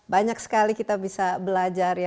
banyak sekali kita bisa belajar ya